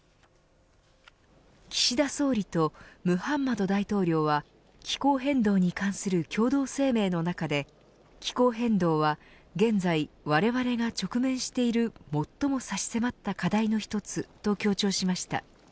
岸田総理とムハンマド大統領は気候変動に関する共同声明の中で気候変動は現在われわれが直面している最も差し迫った課題の一つと強調しました。